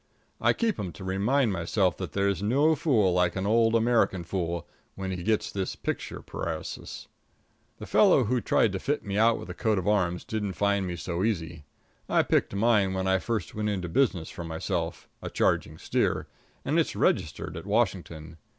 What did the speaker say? I keep 'em to remind myself that there's no fool like an old American fool when he gets this picture paresis. The fellow who tried to fit me out with a coat of arms didn't find me so easy. I picked mine when I first went into business for myself a charging steer and it's registered at Washington.